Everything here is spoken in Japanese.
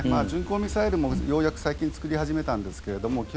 巡航ミサイルも、ようやく最近作り始めたんですけども